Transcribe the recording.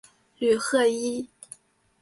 吕赫伊。